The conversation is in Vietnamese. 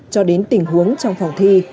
cho đến tình huống trong phòng thi